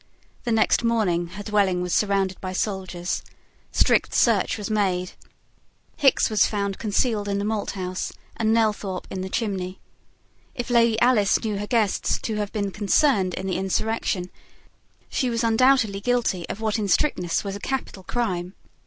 The next morning her dwelling was surrounded by soldiers. Strict search was made. Hickes was found concealed in the malthouse, and Nelthorpe in the chimney. If Lady Alice knew her guests to have been concerned in the insurrection, she was undoubtedly guilty of what in strictness was a capital crime.